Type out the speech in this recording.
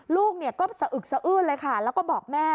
ลูกก็สะอึกสะอื้นเลยค่ะแล้วก็บอกแม่